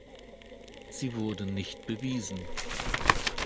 Sie wurde nicht bewiesen.